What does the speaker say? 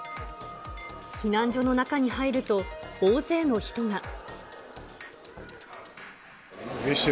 避難所の中に入ると、大勢の人が。